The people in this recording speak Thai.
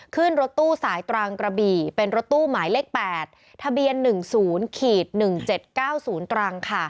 ขึ้นรถตู้สายตรังกระบี่เป็นรถตู้หมายเลข๘ทะเบียน๑๐๑๗๙๐ตรังค่ะ